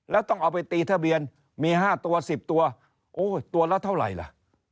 แล้วต้องเอาไปตีทะเบียนมี๕ตัว๑๐ตัวโอ้ยตัวละเท่าไหร่ล่ะ